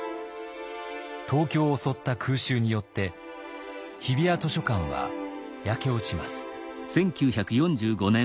東京を襲った空襲によって日比谷図書館は焼け落ちます。